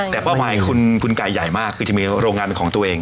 แต่เป้าหมายคุณไก่ใหญ่มากคือจะมีโรงงานเป็นของตัวเอง